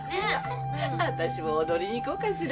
私も踊りにいこうかしら。